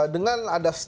dengan ada staff khusus